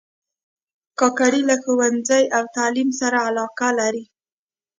کاکړي له ښوونځي او تعلیم سره علاقه لري.